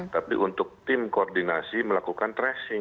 tapi untuk tim koordinasi melakukan tracing